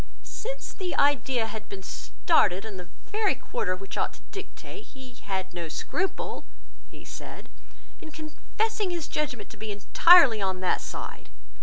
"Since the idea had been started in the very quarter which ought to dictate, he had no scruple," he said, "in confessing his judgement to be entirely on that side.